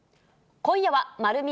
今夜はまる見え！